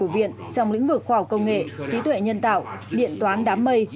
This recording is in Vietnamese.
viện trong lĩnh vực khoa học công nghệ trí tuệ nhân tạo điện toán đám mây